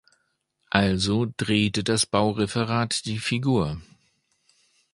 Also drehte das Baureferat die Figur.